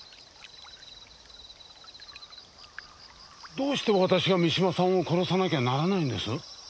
どうして私が三島さんを殺さなきゃならないんです？